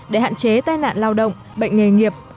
để hạn chế tai nạn lao động bệnh nghề nghiệp